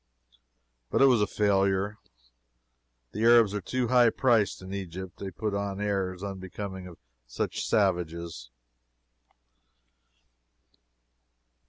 But it was a failure. The Arabs are too high priced in Egypt. They put on airs unbecoming to such savages.